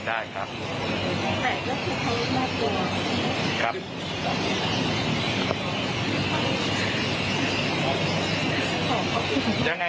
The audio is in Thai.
จะไปปลูกทุกช่องเลย